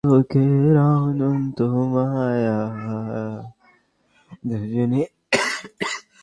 Cake নামিয়ে ওপরে আগে থেকে বানানো কমলার সিরাপ ঢেলে দিতে হবে।